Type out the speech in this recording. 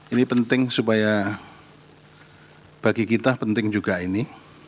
ini penting supaya bagi kita penting juga ini